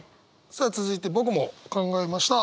さあ続いて僕も考えました。